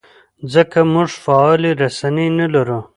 ځکه موږ فعالې رسنۍ نه لرو.